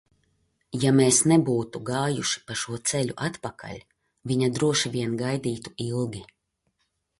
Ja mēs nebūtu gājuši pa šo ceļu atpakaļ, viņa droši vien gaidītu ilgi.